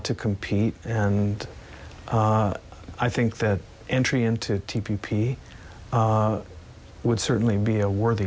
แต่ก็มีความเชื่อใจของชาวไทยและแผ่นบัตรไทย